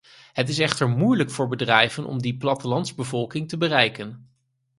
Het is echter moeilijk voor bedrijven om die plattelandsbevolking te bereiken.